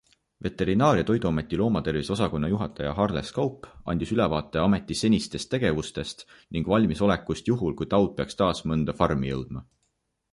Veterinaar- ja toiduameti loomatervise osakonna juhataja Harles Kaup andis ülevaate ameti senistest tegevustest ning valmisolekust juhul, kui taud peaks taas mõnda farmi jõudma.